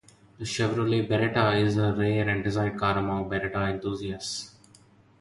The Chevrolet Beretta is a rare and desired car among Beretta Enthusiasts.